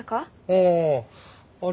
あああっ